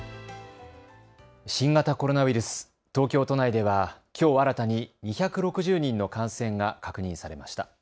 新型コロナウイルス、東京都内ではきょう新たに２６０人の感染が確認されました。